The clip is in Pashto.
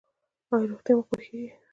ایا روغتیا مو خوښیږي؟